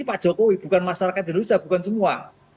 pak jokowi bukan masyarakat indonesia bukan semua